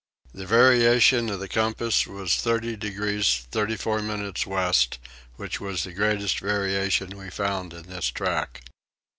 The variation of the compass was 30 degrees 34 minutes west which was the greatest variation we found in this track.